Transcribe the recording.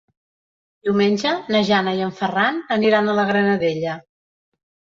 Diumenge na Jana i en Ferran aniran a la Granadella.